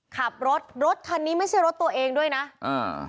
ขับรถรถคันนี้ไม่ใช่รถตัวเองด้วยนะอ่า